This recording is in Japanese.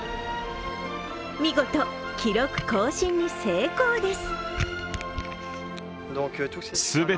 見事、記録更新に成功です。